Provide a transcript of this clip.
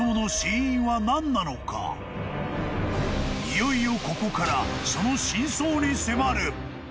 ［いよいよここからその真相に迫る］